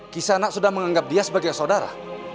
kisanak sudah menganggap dia sebagai saudara